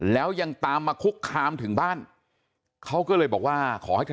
แล้วยังตามมาคุกคามถึงบ้านเขาก็เลยบอกว่า